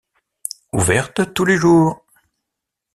Ouverte tous les jours.